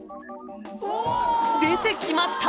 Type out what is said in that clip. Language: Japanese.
出てきました！